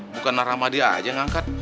bukan rahmadi aja yang ngangkat